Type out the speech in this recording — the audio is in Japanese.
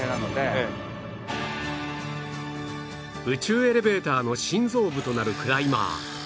宇宙エレベーターの心臓部となるクライマー